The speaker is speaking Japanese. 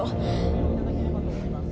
ご説明をいただければと思います